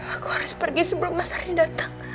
aku harus pergi sebelum mas ari datang